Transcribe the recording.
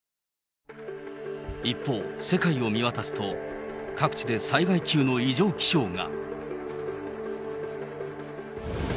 一方、世界を見渡すと、各地で災害級の異常気象が。